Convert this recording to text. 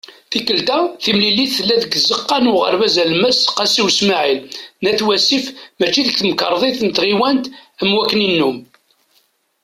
Tikelt-a, timlilit tella-d deg Tzeqqa n Uɣerbaz Alemmas "Qasi Usmaɛil" n At Wasif mačči deg Temkarḍit n Tɣiwant am wakken i nennum.